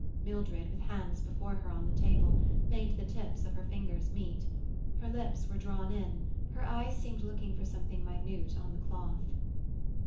Mildred, with hands before her on the table, made the tips of her fingers meet. Her lips were drawn in; her eyes seemed looking for something minute on the cloth.